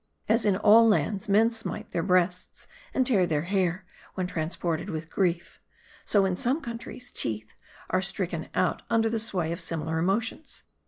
As in all lands, men smite their breasts, and tear their hair, when transported with grief; so, in some countries, teeth are stricken out under the sway of similar emotions.